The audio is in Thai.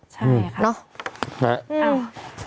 ใช่ค่ะนะเอา